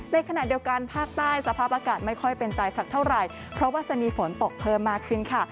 ในขณะเดียวกันภาคใต้สภาพอากาศไม่ค่อยเป็นใจสักเท่าไหร่เพราะว่าจะมีฝนตกเพิ่มมากขึ้นค่ะ